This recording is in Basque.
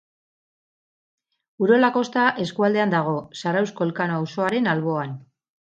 Urola Kosta eskualdean dago, Zarauzko Elkano auzoaren alboan.